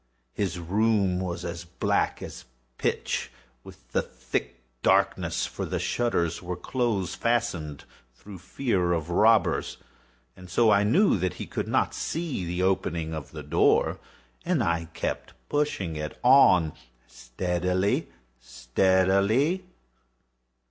His room was as black as pitch with the thick darkness, (for the shutters were close fastened, through fear of robbers,) and so I knew that he could not see the opening of the door, and I kept pushing it on steadily, steadily.